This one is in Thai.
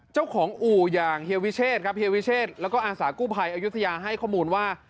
เจ้าของอู๋อย่างเฮียวิเชษและอาสากุภัยอายุทยาให้ข้อมูลว่า